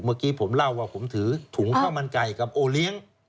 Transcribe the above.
เมื่อกี้ผมเล่าว่าผมถือถุงข้าวมันไก่กับโอเลี้ยง